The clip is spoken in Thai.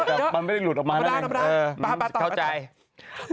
แต่มันไม่ได้หลุดออกมานั่นเอง